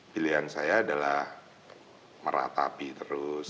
pilihan saya adalah meratapi terus